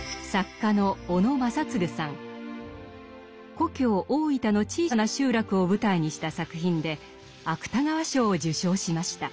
故郷・大分の小さな集落を舞台にした作品で芥川賞を受賞しました。